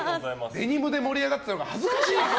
デニムで盛り上がってたのが恥ずかしいです。